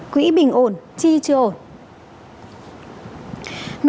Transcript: quỹ bình ổn chi chưa ổn